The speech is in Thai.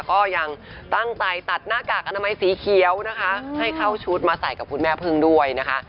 ก็ยังตั้งใจตัดหน้ากากอนามัยสีเขียวนะคะให้เข้าชุดมาใส่กับคุณแม่พึ่งด้วยนะคะ